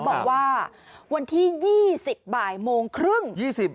บอกว่าวันที่๒๐บ่ายโมงครึ่ง